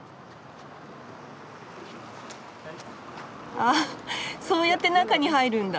あそうやって中に入るんだ！